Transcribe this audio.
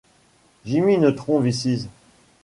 Jimmy Neutron vs.